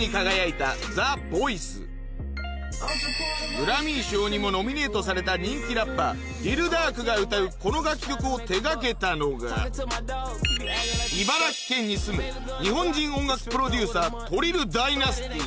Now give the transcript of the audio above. グラミー賞にもノミネートされた人気ラッパー ＬｉｌＤｕｒｋ が歌うこの楽曲を手掛けたのが茨城県に住む日本人音楽プロデューサー